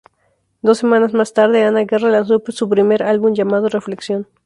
Dos semanas más tarde, Ana Guerra lanzó su primer álbum llamado "Reflexión".